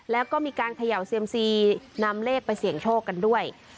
แล้วก็มีการเขย่าเซียมซีนำเลขไปเสี่ยงโชคกันด้วย